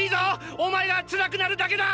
お前がつらくなるだけだ！！